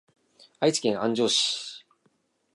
愛知県安城市